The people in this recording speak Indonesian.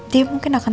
dia mungkin akan